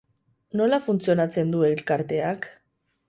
Nola funtzionatzen du elkarteak?